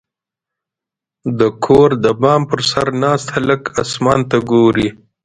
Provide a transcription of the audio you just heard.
• د کور د بام پر سر ناست هلک اسمان ته ګوري.